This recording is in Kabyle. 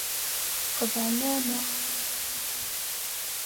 Xedɛen-aneɣ.